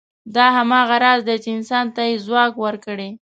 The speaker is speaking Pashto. دا هماغه راز دی، چې انسان ته یې ځواک ورکړی.